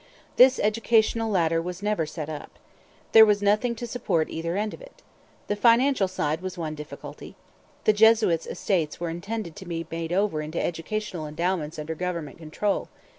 This educational ladder was never set up. There was nothing to support either end of it. The financial side was one difficulty. The Jesuits' estates were intended to be made over into educational endowments under government control.